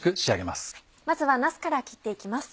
まずはなすから切って行きます。